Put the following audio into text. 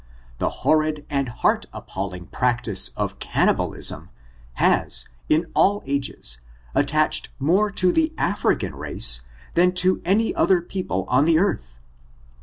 The horrid and heart appalling practice of cannibalism^ has, in all ages, attached more to the African race than to any other people of the earth.